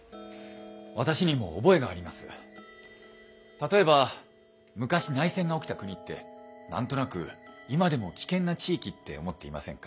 例えば昔内戦が起きた国って何となく今でも危険な地域って思っていませんか？